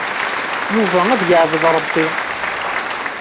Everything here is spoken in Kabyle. Yuba ad yeɛbed Ṛebbi.